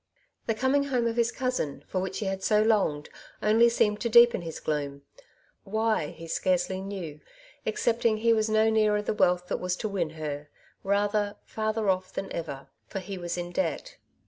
The coming home of his cousin, for which he had BO longed, only seemed to deepen his gloom — why, he scarcely knew, excepting he was no nearer the wealth that was to win her, rather, farther oflF than ever, for he was in debt.